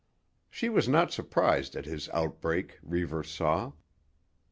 She was not surprised at his outbreak, Reivers saw.